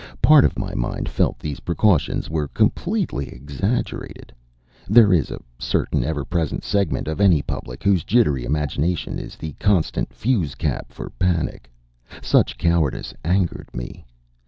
Part of my mind felt these precautions were completely exaggerated. There is a certain, ever present segment of any public, whose jittery imagination is a constant fuse cap for panic. Such cowardice angered me.